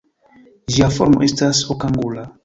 Ĝia formo estas okangula.